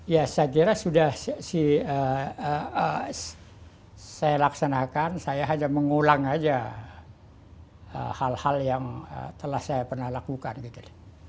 ya saya kira sudah saya laksanakan saya hanya mengulang aja hal hal yang telah saya pernah lakukan gitu